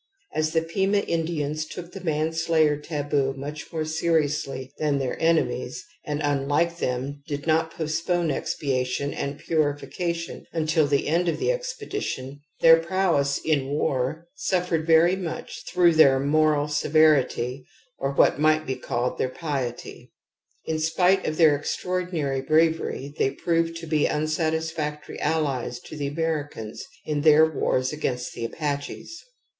As the Pima Indians took the manslayer taboo much more seriously than their enemies and, unlike them, did not i > THE AMBIVALENCE OF EMOTIONS 69 postpone expiation and piu'ification until the end of the expedition, their provgiess ji^ wax sufferei very much throu^ their moral severity or what might be called their^^josty* In spite of their extraordinary bravery they proved to be misatis factory allies td the Americans in their wars against the Apaches.